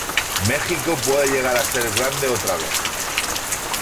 Mexico puede llegar a ser grande otra vez.